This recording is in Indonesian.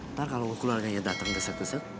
ntar kalo ukuran kayaknya dateng deset deset